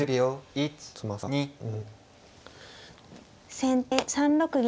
先手３七銀。